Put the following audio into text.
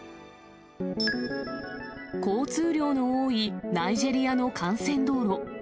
交通量の多いナイジェリアの幹線道路。